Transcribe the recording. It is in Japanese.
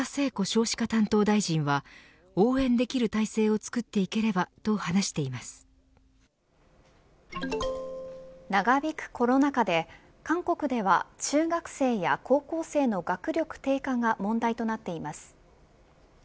少子化担当大臣は応援できる体制を作っていければ長引くコロナ禍で韓国では、中学生や高校生の学力低下が問題となっています。